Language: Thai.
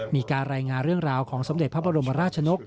มีการรายงานเรื่องราวของสมเด็จพระบรมราชนก